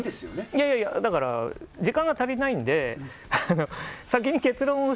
いやいや、だから時間が足りないので先に結論を。